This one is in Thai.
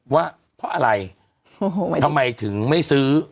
ว่าเพราะอะไรทำไมถึงไม่ซื้อ